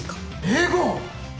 英語！